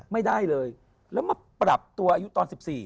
ไม่ได้เลยแล้วมาปรับตัวอายุตอน๑๔